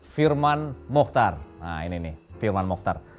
firman mohtar nah ini nih firman mokhtar